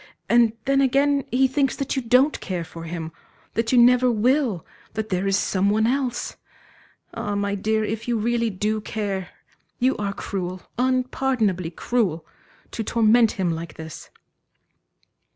And then again he thinks that you don't care for him, that you never will, that there is some one else.... Ah, my dear, if you really do care, you are cruel, unpardonably cruel, to torment him like this."